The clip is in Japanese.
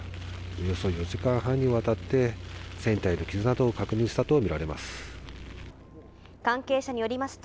およそ４時間半にわたって、船体の傷などを確認したと見られます。